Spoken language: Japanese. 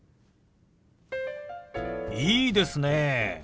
いいですね。